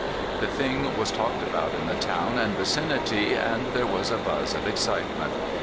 The thing was talked about in the town and vicinity, and there was a buzz of excitement.